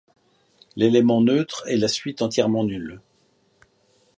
L'élément neutre est la suite entièrement nulle.